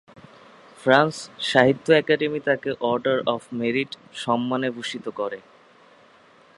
France সাহিত্য academy তাকে "order of merit" সম্মানে ভূষিত করে।